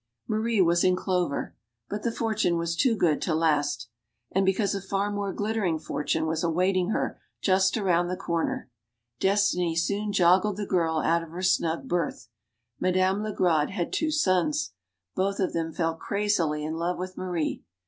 Marie was in clover. But the fortune was too good to last. And because a far more glittering fortune was awaiting her just around the corner, Destiny soon jog gled the girl out of her snug berth. Madame Legrade had two sons. Both of them fell crazily in love with Marie.